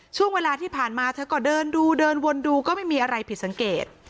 ช่วงเวลาที่ผ่านมาเธอก็เดินดูเดินวนดูก็ไม่มีอะไรผิดสังเกต